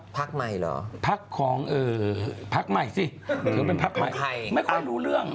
พักใหม่เหรอพักของพักใหม่สิถือเป็นพักใหม่ไม่ค่อยรู้เรื่อง